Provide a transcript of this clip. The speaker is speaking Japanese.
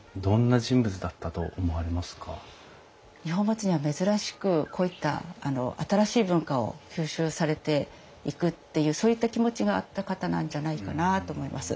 二本松には珍しくこういった新しい文化を吸収されていくっていうそういった気持ちがあった方なんじゃないかなと思います。